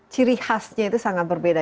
ciri khasnya itu sangat berbeda